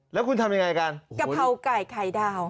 แล้วคุณทำยังไงกันกะเพราไก่ไข่ดาว